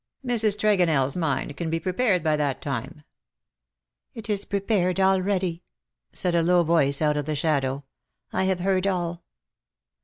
Mrs. Tregonell's mind can be prepared by that time/' " It is prepared already," said a low voice out of the shadow. ^^ I have heard all."